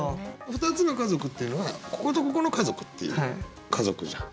「ふたつの家族」っていうのはこことここの家族っていう「家族」じゃん。